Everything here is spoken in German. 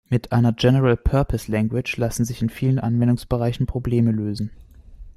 Mit einer General Purpose Language lassen sich in vielen Anwendungsbereichen Probleme lösen.